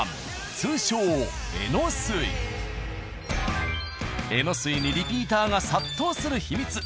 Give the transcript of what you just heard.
通称えのすいにリピ―タ―が殺到する秘密